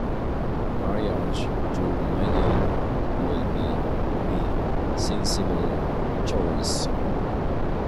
Marriage to Mangan will be the sensible choice.